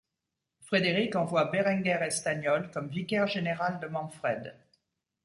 Frédéric envoie Berenguer Estañol comme vicaire général de Manfred.